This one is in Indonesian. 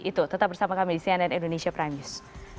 itu tetap bersama kami di cnn indonesia prime news